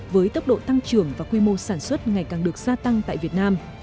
với tốc độ tăng trưởng và quy mô sản xuất ngày càng được gia tăng tại việt nam